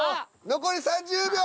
残り３０秒。